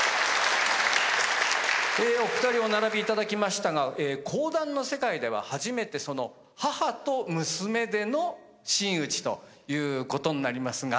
お二人お並びいただきましたが講談の世界では初めて母と娘での真打ということになりますが。